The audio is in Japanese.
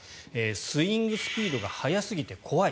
スイングスピードが速すぎて怖い。